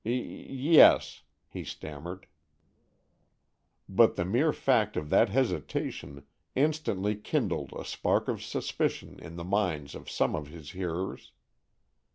"Y yes," he stammered. But the mere fact of that hesitation instantly kindled a spark of suspicion in the minds of some of his hearers.